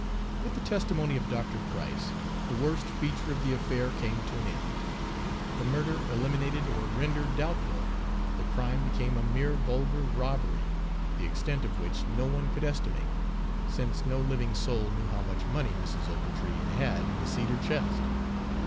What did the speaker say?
With the testimony of Dr. Price, the worst feature of the affair came to an end. The murder eliminated or rendered doubtful, the crime became a mere vulgar robbery, the extent of which no one could estimate, since no living soul knew how much money Mrs. Ochiltree had had in the cedar chest.